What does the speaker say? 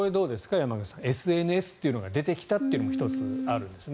山口さんＳＮＳというのが出てきたというのも１つ、あるんですね。